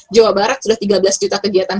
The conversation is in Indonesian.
jawa barat sudah tiga belas juta kegiatan